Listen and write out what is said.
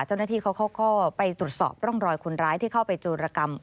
เจ้าหน้าที่เขาก็ไปตรวจสอบร่องรอยคนร้ายที่เข้าไปโจรกรรม